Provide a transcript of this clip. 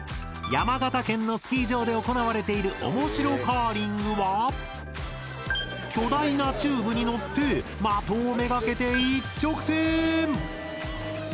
山形県のスキー場で行われているおもしろカーリングは巨大なチューブに乗ってマトを目がけて一直線！